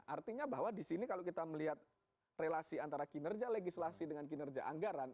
artinya bahwa di sini kalau kita melihat relasi antara kinerja legislasi dengan kinerja anggaran